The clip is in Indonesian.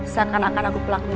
sakan akan aku pelakunya